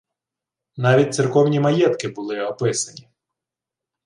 Навіть церковні маєтки були «описані»